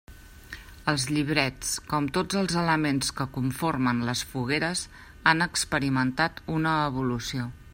Els llibrets, com tots els elements que conformen les fogueres, han experimentat una evolució.